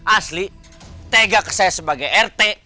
asli tega ke saya sebagai rt